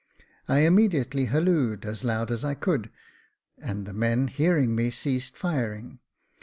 I immediately hallooed as loud as I could, and the men, hearing me, ceased firing.